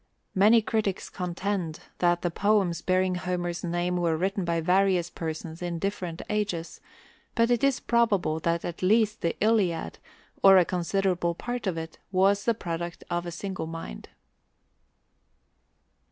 Many critics contend tliat the poems bearing Homer's fame were written by various persons in different ages, but it is probable that at least the Iliad, or a considerable part of it, was the product of a single mind.